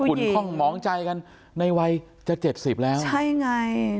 ขุลข้องหมองใจกันในวัยจะ๗๐แล้วใช่ไง